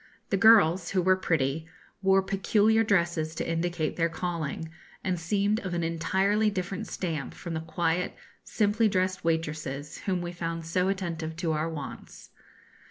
The girls, who were pretty, wore peculiar dresses to indicate their calling, and seemed of an entirely different stamp from the quiet, simply dressed waitresses whom we found so attentive to our wants.